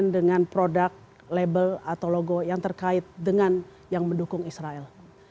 dengan produk label atau logo yang terkait dengan yang mendukung israel